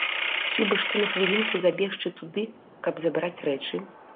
Хіба што на хвілінку забегчы туды, каб забраць рэчы.